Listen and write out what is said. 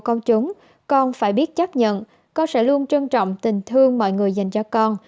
con chúng con phải biết chấp nhận con sẽ luôn trân trọng tình thương mọi người dành cho con